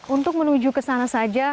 untuk menuju ke sana saja